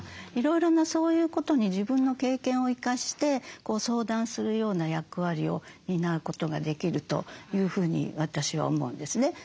いろいろなそういうことに自分の経験を生かして相談するような役割を担うことができるというふうに私は思うんですね。